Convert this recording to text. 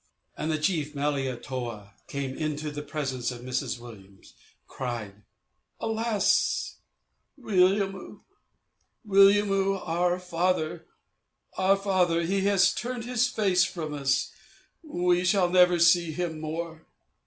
And the chief Malietoa, coming into the presence of Mrs. Williams, cried: "Alas, Williamu, Williamu, our father, our father! He has turned his face from us! We shall never see him more!